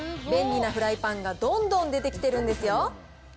便利なフライパンがどんどん出てきてるんですよ。